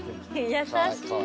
優しい。